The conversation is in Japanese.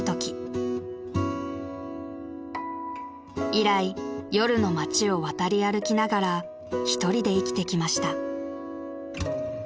［以来夜の街を渡り歩きながらひとりで生きてきました］